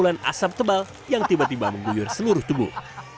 kepulan asap tebal yang tiba tiba menggoyor seluruh tubuh